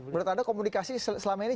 menurut anda komunikasi selama ini